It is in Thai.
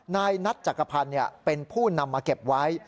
นายนัทจักรพันธ์เป็นผู้นำมาเก็บไว้